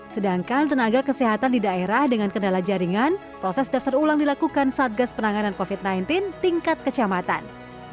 sedangkan tenaga kesehatan di daerah dengan kendala jaringan proses daftar ulang dilakukan saat gas penanganan covid sembilan belas tingkat kecamatan